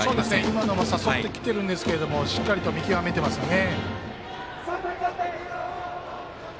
今のも誘ってきてるんですがしっかりと見極めてますよね。